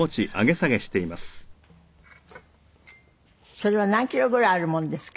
それは何キロぐらいあるもんですか？